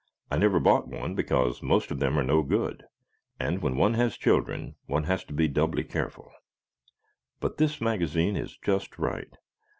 I never bought one because most of them are no good, and when one has children one has to be doubly careful. But this magazine is just right.